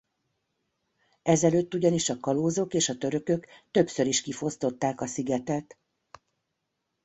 Ezelőtt ugyanis a kalózok és a törökök többször is kifosztották a szigetet.